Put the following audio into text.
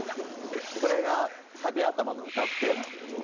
これがサビ頭の「謳って」なんですけど。